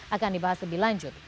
akan dibahas lebih lanjut